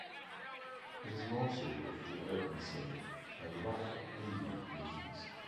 It is more suitable for the open sea and rougher, windier conditions.